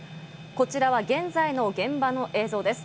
こちらは現在の現場の映像です。